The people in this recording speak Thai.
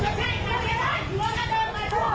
โอเคเจ้าค่ะมันเจ้าค่ะจอด